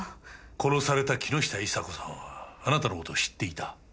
殺された木下伊沙子さんはあなたの事を知っていた。